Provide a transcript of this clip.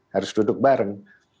harus duduk bareng